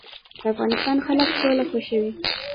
د افغانستان خلک سوله خوښوي